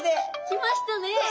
きましたね！